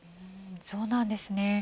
そうなんですね。